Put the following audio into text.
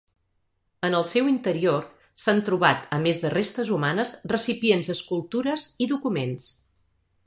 En el seu interior s'han trobat, a més de restes humanes, recipients escultures i documents.